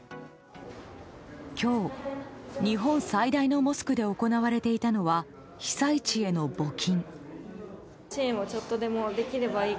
今日、日本最大のモスクで行われていたのは被災地への募金。